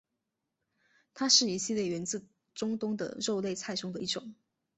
它是一系列源自中东的肉类菜中的一种。